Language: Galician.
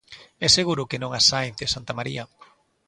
É seguro que non a Sáenz de Santamaría.